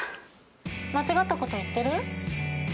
間違ったこと言ってる？